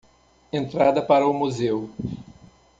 Entrada para o museu